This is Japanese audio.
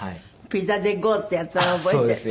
「ピザでＧＯ！」ってやったの覚えている？